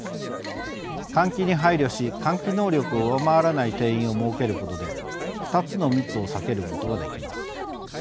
換気に配慮し換気能力を上回らない定員を設けることで２つの密を避けることができます。